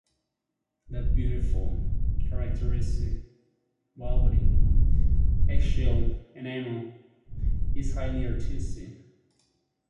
That beautiful, characteristic, velvety, egg-shell enamel is highly artistic.